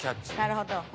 なるほど。